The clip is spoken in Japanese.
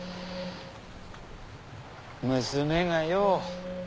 娘がよ